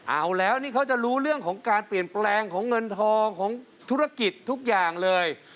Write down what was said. เอาแล้วนี่เขาจะรู้เรื่องของการเปลี่ยนแปลงของเงินทองของธุรกิจทุกอย่างเลย